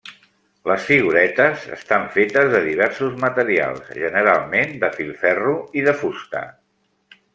Les figuretes estan fetes de diversos materials, generalment de filferro i de fusta.